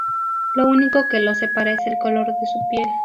Lo único que los separa es el color de su piel.